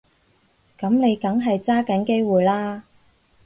噉你梗係揸緊機會啦